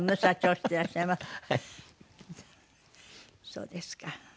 そうですか。